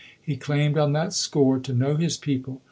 He claimed on that score to know his people.